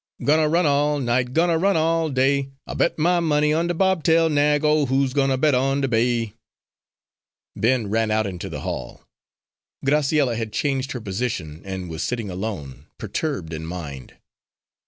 _"Gwine ter run all night, Gwine ter run all day, I'll bet my money on de bobtail nag, Oh, who's gwine ter bet on de bay?"_ Ben ran out into the hall. Graciella had changed her position and was sitting alone, perturbed in mind.